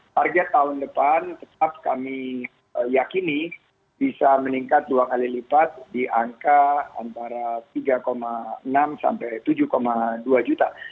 target tahun depan tetap kami yakini bisa meningkat dua kali lipat di angka antara tiga enam sampai tujuh dua juta